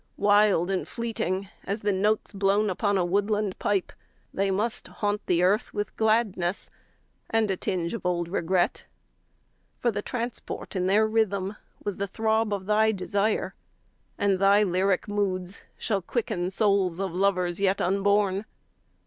Wild and fleeting as the notes Blown upon a woodland pipe, 30 They must haunt the earth with gladness And a tinge of old regret. For the transport in their rhythm Was the throb of thy desire, And thy lyric moods shall quicken 35 Souls of lovers yet unborn.